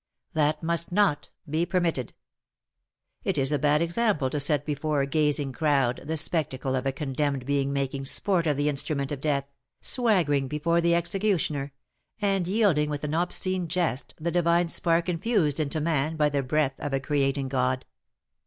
That must not be permitted. It is a bad example to set before a gazing crowd the spectacle of a condemned being making sport of the instrument of death, swaggering before the executioner, and yielding with an obscene jest the divine spark infused into man by the breath of a creating God.